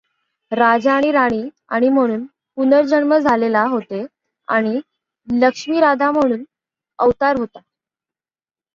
राजा आणि राणी आणि म्हणून पुनर्जन्म झालेला होते आणि लक्ष्मी राधा म्हणून अवतार होता.